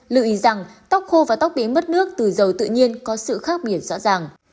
lưu ý rằng tóc khô và tóc biến mất nước từ dầu tự nhiên có sự khác biệt rõ ràng